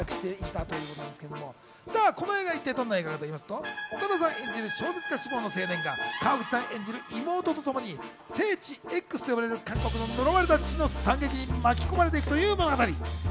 この映画、岡田さん演じる小説家志望の青年が川口さん演じる妹とともに聖地Ｘと呼ばれる韓国の呪われた地の惨劇に巻きこまれていくという物語。